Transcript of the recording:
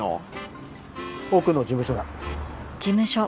奥の事務所だ。